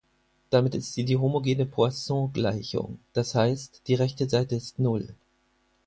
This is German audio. Damit ist sie die homogene Poisson-Gleichung, das heißt, die rechte Seite ist null.